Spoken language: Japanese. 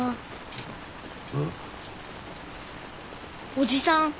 おじさん